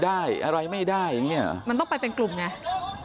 อะไรไม่ได้มันต้องไปเป็นกลุ่มไง